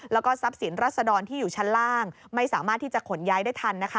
แล้วก็ทรัพย์สินรัศดรที่อยู่ชั้นล่างไม่สามารถที่จะขนย้ายได้ทันนะคะ